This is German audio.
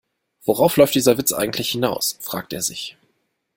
Worauf läuft dieser Witz eigentlich hinaus?, fragt er sich.